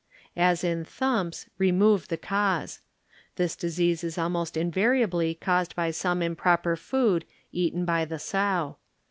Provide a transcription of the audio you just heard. As in thumps, remove the cause. This disease is almost invariably caused by some improper food eaten by the sow.